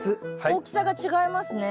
大きさが違いますね。